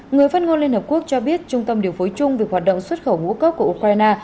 người phát ngôn liên hợp quốc cho biết trung tâm điều phối chung về hoạt động xuất khẩu ngũ cốc của ukraine